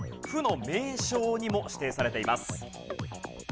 府の名勝にも指定されています。